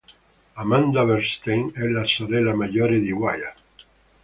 Amanda Bernstein è la sorella maggiore di Wyatt.